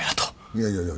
いやいや。